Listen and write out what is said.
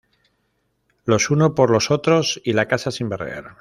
Los unos por los otros y la casa sin barrer